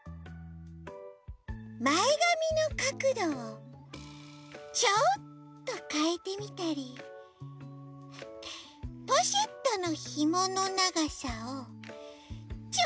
まえがみのかくどをちょっとかえてみたりポシェットのひものながさをちょっとかえてみたり。